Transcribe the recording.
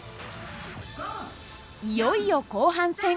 いよいよ後半戦。